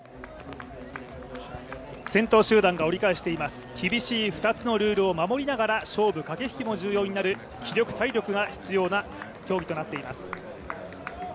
先頭集団が折り返しています、厳しい２つのルールを守りながら守りながら勝負駆け引きも重要になる気力・体力が必要な競技となっています。